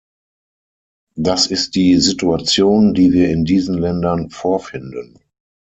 Das ist die Situation, die wir in diesen Ländern vorfinden.